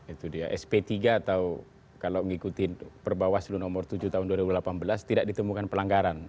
itu dia sp tiga atau kalau mengikuti perbawaslu nomor tujuh tahun dua ribu delapan belas tidak ditemukan pelanggaran